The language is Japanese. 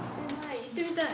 行ってみたい。